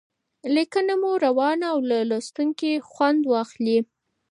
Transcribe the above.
لیکنه مو روانه او له لوستونکي خوند واخلي.